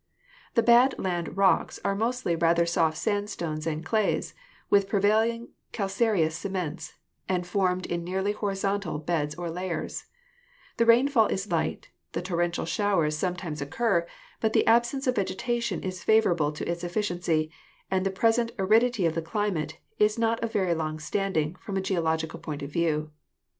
The bad land rocks are mostly rather soft sandstones and clays, with prevailingly calcareous cements, and formed in nearly horizontal beds or layers. The rain fall is light, tho torrential showers sometimes occur, but Fig. 17 — Monadnock, Showing How Surrounding Plain has Been Cut Down. (U. S. G. S.) the absence of vegetation is favorable to its efficiency, and the present aridity of the climate is not of very long stand ing from a geological point of view.